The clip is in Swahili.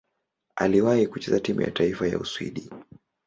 Aliwahi kucheza timu ya taifa ya Uswidi.